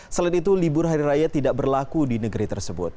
selain itu libur hari raya tidak berlaku di negeri tersebut